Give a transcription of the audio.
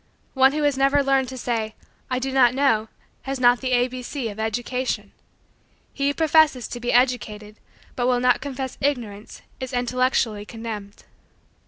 One who has never learned to say: "I do not know," has not the A B C of education. He who professes to be educated but will not confess Ignorance is intellectually condemned.